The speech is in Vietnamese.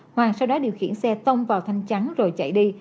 hoàng sau đó điều khiển xe tông vào thanh trắng rồi chạy đi